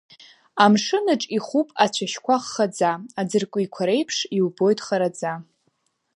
Амшынаҿ ихуп ацәашьқәа ххаӡа, аӡыркәиқәа реиԥш, иубоит хараӡа.